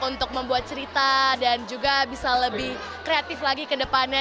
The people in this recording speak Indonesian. untuk membuat cerita dan juga bisa lebih kreatif lagi ke depannya